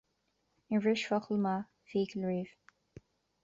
Níor bhris focal maith fiacail riamh